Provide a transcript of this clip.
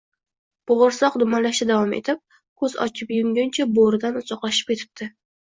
Bo’g’irsoq dumalashda davom etib, ko’z ochib yumguncha bo’ridan uzoqlashib ketibdi